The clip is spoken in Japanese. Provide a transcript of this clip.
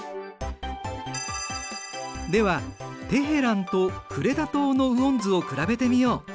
ではテヘランとクレタ島の雨温図を比べてみよう。